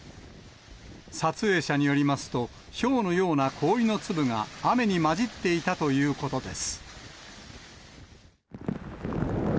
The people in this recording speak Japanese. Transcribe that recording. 撮影者によりますと、ひょうのような氷の粒が雨に混じっていたということです。